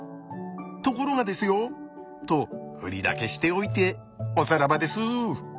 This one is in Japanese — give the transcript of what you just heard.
ところがですよとフリだけしておいておさらばです。